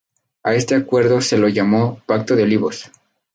A este acuerdo se lo llamó Pacto de Olivos.